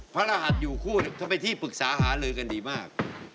พระรหัสอยู่คู่ทำไมที่ปรึกษาหาลือกันดีมาก